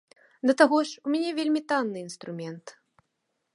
Да таго ж, у мяне вельмі танны інструмент.